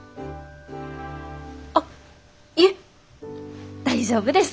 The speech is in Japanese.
あっいえ大丈夫です。